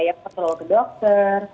yang kekeluarga dokter